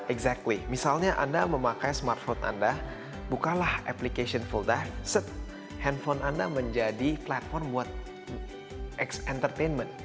exactly misalnya anda memakai smartphone anda bukalah application full divet handphone anda menjadi platform buat x entertainment